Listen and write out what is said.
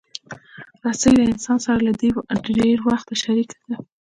رسۍ له انسان سره له ډېر وخته شریکه ده.